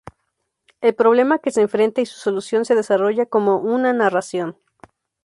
El problema que se enfrenta y su solución se desarrolla como una narración.